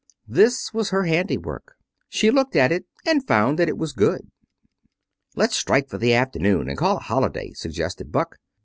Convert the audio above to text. This was her handiwork. She looked at it, and found that it was good. "Let's strike for the afternoon and call it a holiday," suggested Buck.